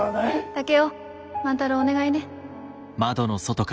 竹雄万太郎をお願いね。